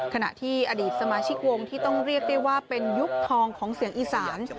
ขณะที่อดีตสมาชิกวงที่ต้องเรียกได้ว่าเป็นยุคทองของเสียงอีสาน